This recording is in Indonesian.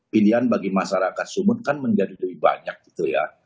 pilihan bagi masyarakat sumut kan menjadi lebih banyak gitu ya